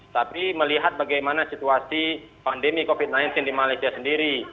tapi melihat bagaimana situasi pandemi covid sembilan belas di malaysia sendiri